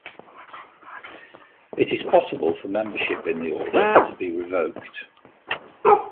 It is possible for membership in the Order to be revoked.